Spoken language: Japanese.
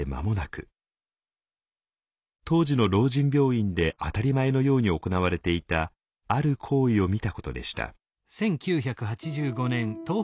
当時の老人病院で当たり前のように行われていたある行為を見たことでした。